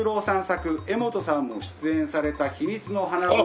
作柄本明さんも出演された『秘密の花園』。